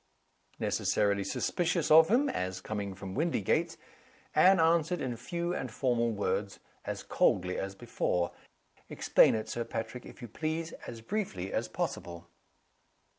Necessarily suspicious of him, as coming from Windygates, Anne answered in few and formal words, as coldly as before. "Explain it, Sir Patrick, if you please, as briefly as possible."